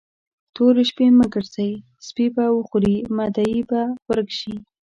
تورې شپې مه ګرځئ؛ سپي به وخوري، مدعي به ورک شي.